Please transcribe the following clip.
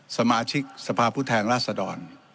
สมาชิกสภาพุทแทงราษฎร